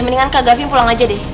mendingan kak gavin pulang aja deh